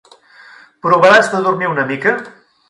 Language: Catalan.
Provaràs de dormir una mica?